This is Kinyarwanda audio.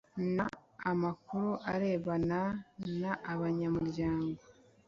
N amakuru arebana n abanyamuryango